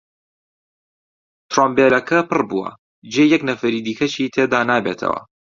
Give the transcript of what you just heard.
تڕومبێلەکە پڕ بووە، جێی یەک نەفەری دیکەشی تێدا نابێتەوە.